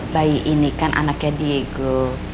bayi ini kan anaknya diego